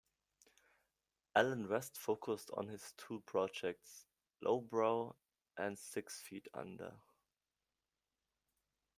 Allen West focused on his two projects, Lowbrow and Six Feet Under.